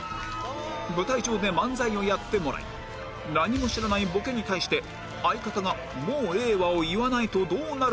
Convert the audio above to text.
舞台上で漫才をやってもらい何も知らないボケに対して相方が「もうええわ」を言わないとどうなるのかを検証